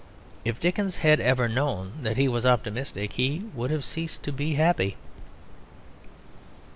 If Dickens had ever known that he was optimistic, he would have ceased to be happy.